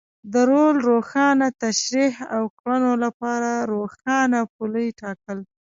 د رول روښانه تشرېح او کړنو لپاره روښانه پولې ټاکل.